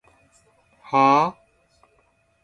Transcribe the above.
はぁ？